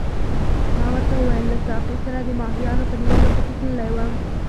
ما ورته وویل له ساقي سره د ماهیانو په نیولو پسې تللی وم.